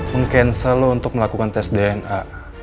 meng cancel lo untuk melakukan tes dna